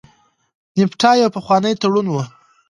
نفټا یو پخوانی تړون و.